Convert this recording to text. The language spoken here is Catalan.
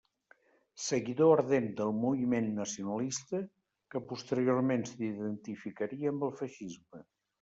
Seguidor ardent del moviment nacionalista, que posteriorment s'identificaria amb el feixisme.